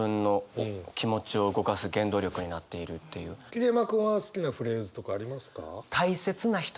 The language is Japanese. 桐山君は好きなフレーズとかありますか？